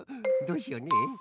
どうしようねえ。